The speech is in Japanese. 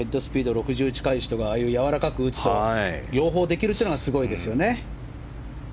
６０近い人がああいうやわらかく打つのと両方できるのがすごいですよね。